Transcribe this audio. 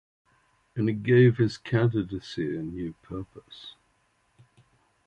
And it gave his candidacy new purpose.